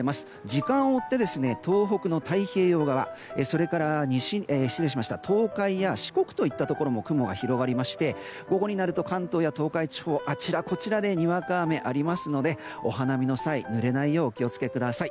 時間を追って、東北の太平洋側それから東海や四国にも雲が広がりまして、午後になると関東や東海地方あちらこちらでにわか雨ありますのでお花見の際、ぬれないようお気を付けください。